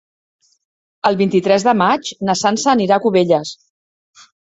El vint-i-tres de maig na Sança anirà a Cubelles.